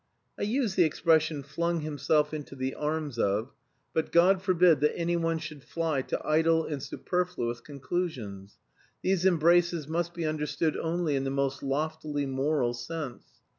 I use the expression "flung himself into the arms of," but God forbid that anyone should fly to idle and superfluous conclusions. These embraces must be understood only in the most loftily moral sense.